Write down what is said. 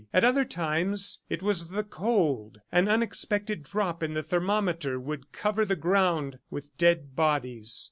At other times, it was the cold; an unexpected drop in the thermometer would cover the ground with dead bodies.